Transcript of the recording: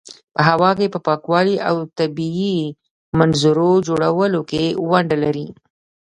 د هوا په پاکوالي او طبیعي منظرو جوړولو کې ونډه لري.